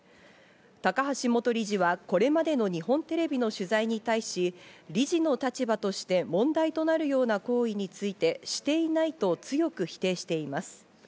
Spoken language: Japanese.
高橋元理事はこれまでの日本テレビの取材に対し、理事の立場として問題となるような行為について、していないと強く否定しています。